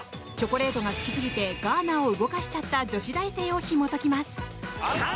チョコレートが好きすぎてガーナを動かしちゃった女子大生をひも解きます。